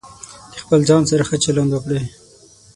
د خپل ځان سره ښه چلند وکړئ.